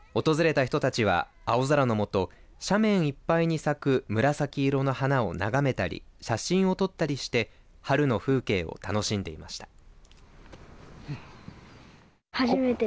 訪れた人たちは青空の下斜面いっぱいに咲く紫色の花を眺めたり写真を撮ったりして春の風景を楽しんでいました。